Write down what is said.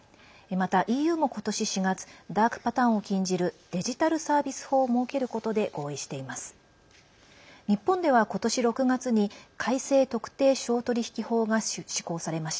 またＥＵも、今年４月ダークパターンを禁じるデジタルサービス法を設けることで合意しています。